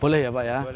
boleh ya pak ya